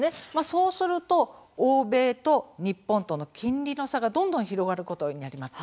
そうすると、欧米と日本との金利の差がどんどん広がることになります。